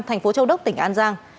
thành phố châu đốc tỉnh an giang